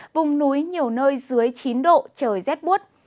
vùng núi nhiều nơi dưới chín độ trời rét buốt